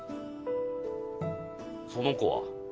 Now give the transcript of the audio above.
その子は？